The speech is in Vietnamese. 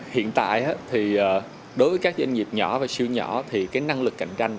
hiện tại thì đối với các doanh nghiệp nhỏ và siêu nhỏ thì cái năng lực cạnh tranh